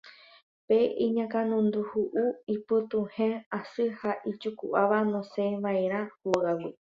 Pe iñakãnundu, hu'u, ipytuhẽ asy ha ijuku'áva nosẽiva'erã hógagui